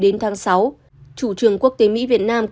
đến tháng sáu chủ trường quốc tế mỹ việt nam